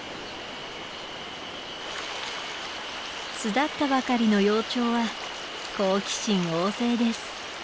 巣立ったばかりの幼鳥は好奇心旺盛です。